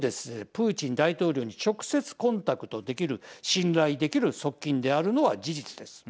プーチン大統領に直接コンタクトできる信頼できる側近であるのは事実です。